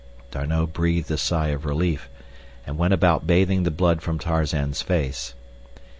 D'Arnot breathed a sigh of relief, and went about bathing the blood from Tarzan's face.